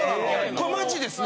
これマジですね？